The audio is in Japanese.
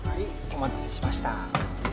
お待たせしました。